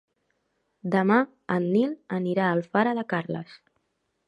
Demà en Nil anirà a Alfara de Carles.